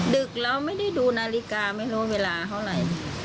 ดึกเราไม่ได้ดูนาฬิกาไม่รู้เวลาเท่าไหร่